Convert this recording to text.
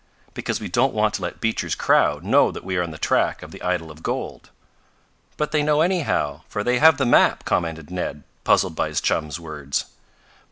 "Because we don't want to let Beecher's crowd know that we are on the track of the idol of gold." "But they know anyhow, for they have the map," commented Ned, puzzled by his chum's words.